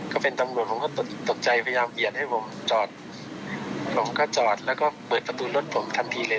ก็เป็นตำรวจผมก็ตกใจพยายามเบียดให้ผมจอดผมก็จอดแล้วก็เปิดประตูรถผมทันทีเลย